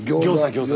ギョーザ？